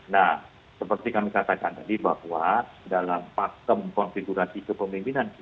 nah seperti kami katakan tadi bahwa dalam pakem konfigurasi kepemimpinan kita